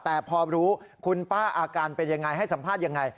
แต่พอรู้คุณป้าอาการเป็นยังไงให้สัมภาษณ์ยังไง